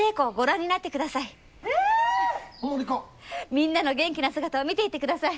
みんなの元気な姿を見ていってください。